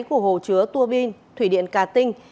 của hồ chứa turbin thủy điện cà tinh